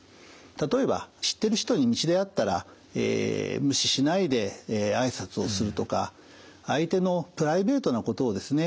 例えば知ってる人に道で会ったら無視しないで挨拶をするとか相手のプライベートなことをですね